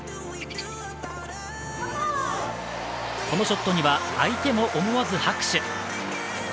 このショットには相手も思わず拍手。